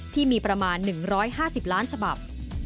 ที่มีประมาณ๑๕๐ล้านฉบับ